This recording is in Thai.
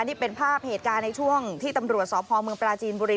นี่เป็นภาพเหตุการณ์ในช่วงที่ตำรวจสพเมืองปราจีนบุรี